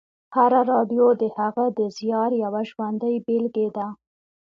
هره راډیو د هغه د زیار یوه ژوندۍ بېلګې ده